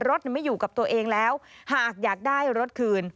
รถไม่อยู่กับตัวเองแล้วหากอยากได้รถคืน